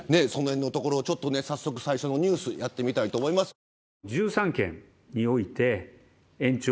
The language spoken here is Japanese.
その辺のところをちょっとね早速、最初のニュースやってみたいと思います。